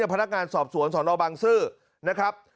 พนักงานสอบสวนสนบังซื้อนะครับ